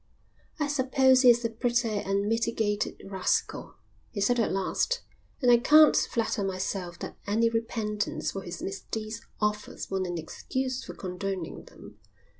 "I suppose he is a pretty unmitigated rascal," he said at last. "And I can't flatter myself that any repentance for his misdeeds offers one an excuse for condoning them.